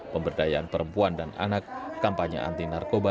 pemberdayaan perempuan dan anak kampanye anti narkoba